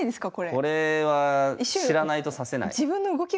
これは知らないと指せない。